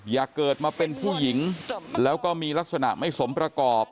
อย่าเกิดมาเป็นผู้หญิงแล้วก็มีลักษณะไม่สมประกอบ